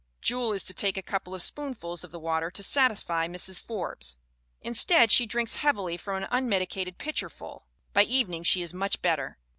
Jewel is to take a couple of spoonfuls of the "water" to satisfy Mrs. Forbes. Instead she drinks heavily from an un medicated pitcherful. By evening she is much better.